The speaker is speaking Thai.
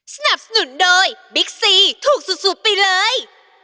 สนับสนุนโดยบิ๊กซีถูกสุดไปเลย